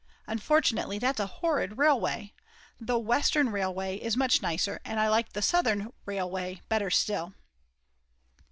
Unfortunately that's a horrid railway. The Western Railway is much nicer, and I like the Southern Railway better still.